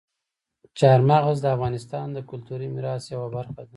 چار مغز د افغانستان د کلتوري میراث یوه برخه ده.